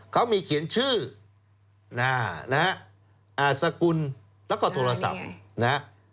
เขามีเขียนชื่อนะฮะสกุลแล้วก็โทรศัพท์นะฮะ